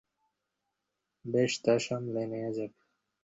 বেশ, তা সামলে নেয়া যাবে।